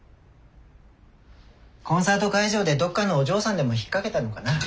コンサート会場でどっかのお嬢さんでもひっかけたのかな？